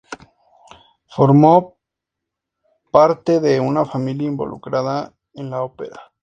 Formó parte de una familia involucrada a la ópera.